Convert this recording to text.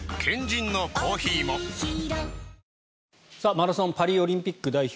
マラソンパリオリンピック代表